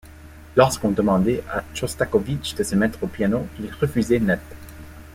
Lorsqu'on demandait à Chostakovitch de se mettre au piano, il refusait net.